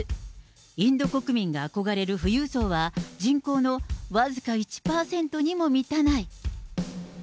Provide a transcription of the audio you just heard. インド国民が憧れる富裕層は、人口の僅か１％にも満たない。